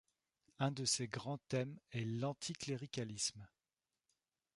Un de ses grands thèmes est l'anticléricalisme.